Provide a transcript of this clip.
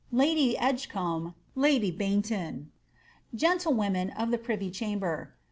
Lady Edgecombe. Lady Baynton. OentUwomen of the privy chamber.